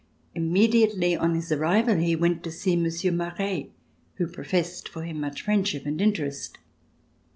Immediately on his arrival, he went to see Monsieur Maret, who professed for him much friendship and interest.